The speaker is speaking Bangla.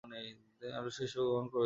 তিনি আদর্শ হিসেবে গ্রহণ করেছিলেন।